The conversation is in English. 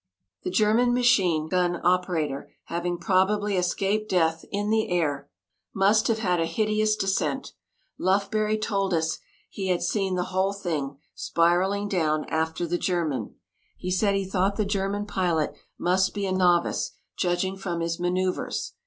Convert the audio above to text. The German machine gun operator, having probably escaped death in the air, must have had a hideous descent. Lufbery told us he had seen the whole thing, spiralling down after the German. He said he thought the German pilot must be a novice, judging from his manoeuvres.